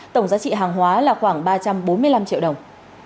tổng giá trị hàng hóa là khoảng ba trăm bốn mươi năm triệu đồng